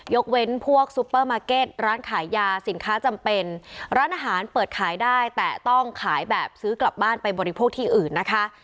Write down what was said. ยกเว้นพวกซูเปอร์มาร์เก็ตร้านขายยาสินค้าจำเป็นร้านอาหารเปิดขายได้แต่ต้องขายแบบซื้อกลับบ้านไปบริโภคที่อื่นนะคะ